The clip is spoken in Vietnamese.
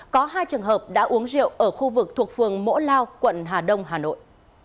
có hai trường hợp đã uống rượu ở khu vực thuộc phường mỗ lao quận hà đông hà nội